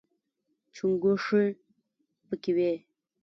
چونګښې پکې وي.